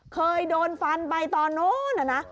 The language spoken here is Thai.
เคยโดนฟันไปตอนนู้นนะนะ